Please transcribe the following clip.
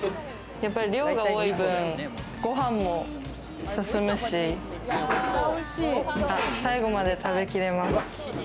やっぱり量が多い分、ご飯も進むし、最後まで食べ切れます。